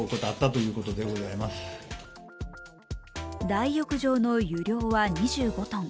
大浴場の湯量は２５ｔ。